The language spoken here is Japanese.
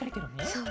そう。